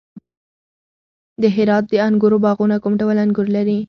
د هرات د انګورو باغونه کوم ډول انګور لري؟